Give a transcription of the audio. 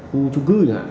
khu chung cư